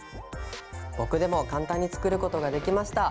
僕でも簡単に作ることができました！